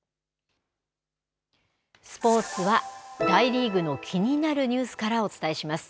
スポーツは、大リーグの気になるニュースからお伝えします。